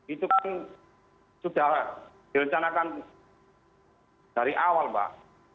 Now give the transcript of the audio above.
itu kan sudah direncanakan dari awal mbak